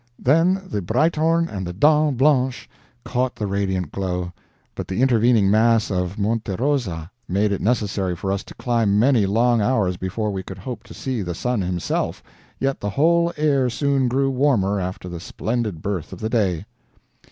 Then the Breithorn and the Dent Blanche caught the radiant glow; but "the intervening mass of Monte Rosa made it necessary for us to climb many long hours before we could hope to see the sun himself, yet the whole air soon grew warmer after the splendid birth of the day."